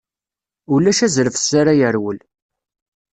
Ulac azref s ara yerwel.